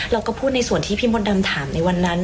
เราก็พูดในส่วนที่พี่มดดำถามในวันนั้น